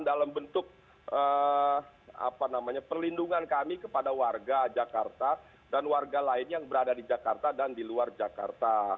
dalam bentuk perlindungan kami kepada warga jakarta dan warga lain yang berada di jakarta dan di luar jakarta